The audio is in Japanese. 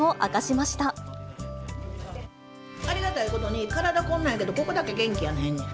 ありがたいことに、体こんなやけど、ここだけ元気やねん。